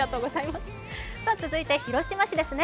続いて広島市ですね。